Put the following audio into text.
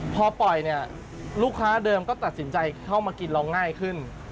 พอปล่อยเนี่ยลูกค้าเดิมก็ตัดสินใจเข้ามากินเราง่ายขึ้น